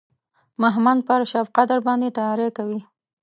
مهمند پر شبقدر باندې تیاری کوي.